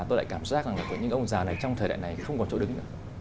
tôi lại cảm giác rằng những ông già này trong thời đại này không còn chỗ đứng nữa